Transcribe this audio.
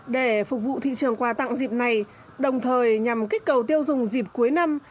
để phục vụ thị trường quà tặng dịp này đồng thời nhằm kích cầu tiêu dùng dịp cuối năm